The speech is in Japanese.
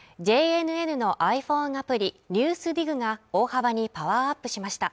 ＪＮＮのｉＰｈｏｎｅアプリ「ＮＥＷＳＤＩＧ」が大幅にパワーアップしました